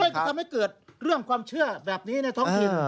จะทำให้เกิดเรื่องความเชื่อแบบนี้ในท้องถิ่น